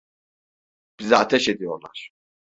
Bize ateş ediyorlar!